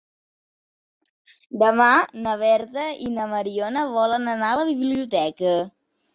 Demà na Berta i na Mariona volen anar a la biblioteca.